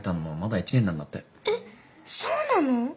えっそうなの？